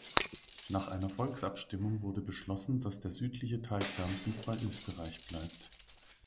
Nach einer Volksabstimmung wurde beschlossen, dass der südliche Teil Kärntens bei Österreich bleibt.